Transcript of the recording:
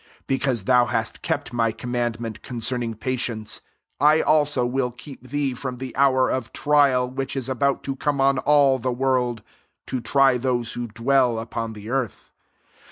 10 Because thou hast kept my commandment concerning patience, I also will keep thee from the hour of trial, which is about to come on all the world, to try those who dwell upon the earth.